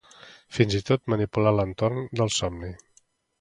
fins i tot manipular l'entorn del somni